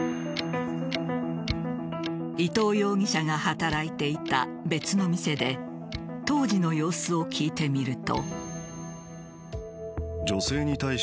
伊藤容疑者が働いていた別の店で当時の様子を聞いてみると。